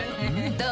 どう？